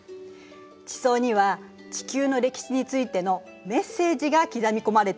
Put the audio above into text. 地層には地球の歴史についての「メッセージ」が刻み込まれているの。